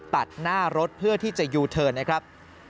ตัดหน้ารถเพื่อที่จะยูเทิร์นนะครับ